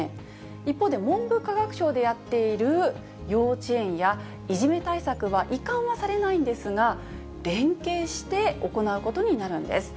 一方で、文部科学省でやっている幼稚園やいじめ対策は、移管はされないんですが、連携して行うことになるんです。